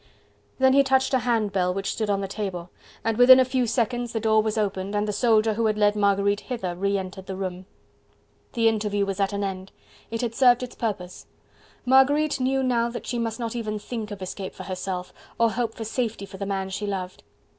Then he touched a handbell which stood on the table, and within a few seconds the door was opened and the soldier who had led Marguerite hither, re entered the room. The interview was at an end. It had served its purpose. Marguerite knew now that she must not even think of escape for herself, or hope for safety for the man she loved.